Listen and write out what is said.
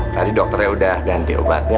tadi dokternya sudah ganti obatnya